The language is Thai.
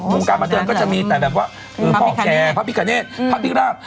มุมกลางมาต่อไปก็จะมีแต่แบบว่าพระอาจแกรมพระพิฆาเนตพระพิราภ